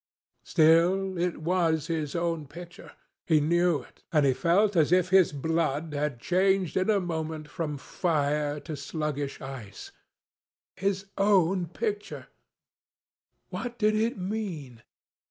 Still, it was his own picture. He knew it, and he felt as if his blood had changed in a moment from fire to sluggish ice. His own picture! What did it mean?